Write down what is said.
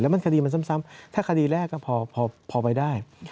มันคดีมันซ้ำถ้าคดีแรกก็พอไปได้